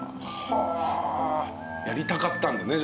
はぁやりたかったんだね